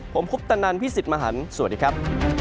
ผมคุปตนันพี่สิทธิ์มหันฯสวัสดีครับ